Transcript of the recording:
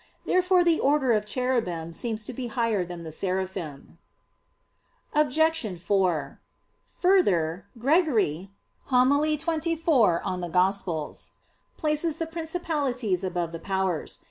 Therefore the order of "Cherubim" seems to be higher than the "Seraphim." Obj. 4: Further, Gregory (Hom. xxiv in Evang.) places the "Principalities" above the "Powers."